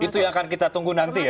itu yang akan kita tunggu nanti ya